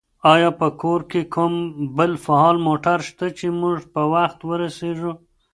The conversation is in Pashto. آیا په کور کې کوم بل فعال موټر شته چې موږ په وخت ورسېږو؟